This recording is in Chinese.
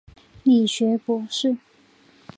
理学博士。